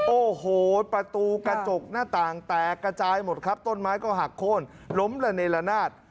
โอ้โหประตูกระจกหน้าต่างแตกกระจายหมดครับต้นไม้ก็หักโค้นล้มละเนละนาด